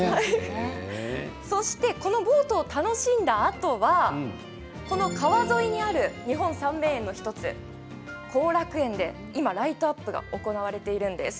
このボートを楽しんだあとは川沿いにある日本三名園の１つ後楽園で今、ライトアップが行われているんです。